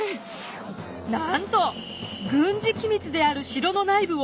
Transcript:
なんと軍事機密である城の内部を庶民に大公開！